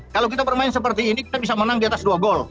kalau kita bermain seperti ini kita bisa menang di atas dua gol